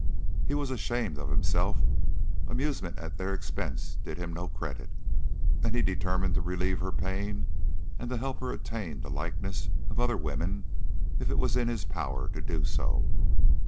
He was ashamed of himself; amusement at their expense did him no credit, and he determined to relieve her pain and to help her attain the likeness of other women if it was in his power to do so.